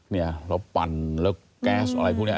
เนี่ยเราปั่นแล้วแก๊สอะไรพวกนี้